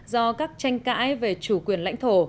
do các tranh cãi về chủ quyền lãnh thổ